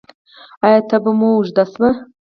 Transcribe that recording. ایا تبه مو اوږده شوې ده؟